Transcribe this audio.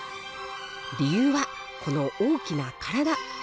理由はこの大きな体。